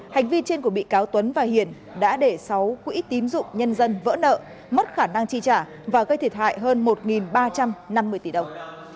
hành vi trên của bị cáo tuấn và hiển đã để sáu quỹ tín dụng nhân dân vỡ nợ mất khả năng chi trả và gây thiệt hại hơn một ba trăm năm mươi tỷ đồng